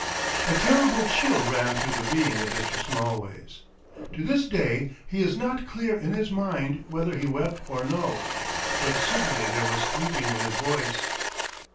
A terrible chill ran through the being of Mr. Smallways. To this day he is not clear in his mind whether he wept or no, but certainly there was weeping in his voice.